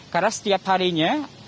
karena setiap harinya